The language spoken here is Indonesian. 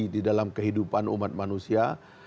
di dalam kehidupan umat manusia